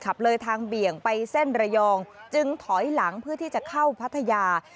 ขับเลยทางเบี่ยงไปเส้นระยองจึงถอยหลังเพื่อที่จะเข้าพัทยา